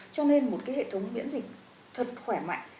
cho nên một hệ thống biễn dịch thật khỏe mạnh